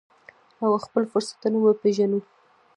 او خپل فرصتونه وپیژنو.